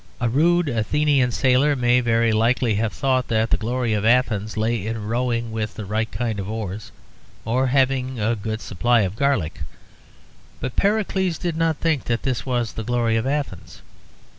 A rude Athenian sailor may very likely have thought that the glory of Athens lay in rowing with the right kind of oars, or having a good supply of garlic; but Pericles did not think that this was the glory of Athens.